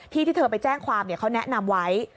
ที่ที่เธอไปแจ้งความเขาแนะนำไว้